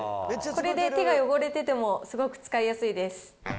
これで手が汚れててもすごく使いやすいです。